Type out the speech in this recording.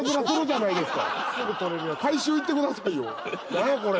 「何やこれ」